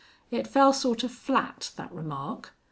It fell sort of flat, that remark.